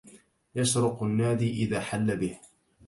يشرق النادي إذا حل به